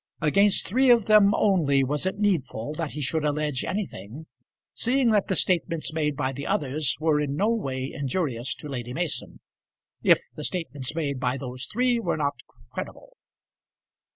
Against three of them only was it needful that he should allege anything, seeing that the statements made by the others were in no way injurious to Lady Mason, if the statements made by those three were not credible.